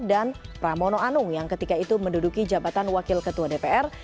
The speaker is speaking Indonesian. dan pramono anung yang ketika itu menduduki jabatan wakil ketua dpr